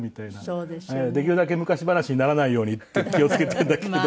できるだけ昔話にならないようにって気を付けているんだけど。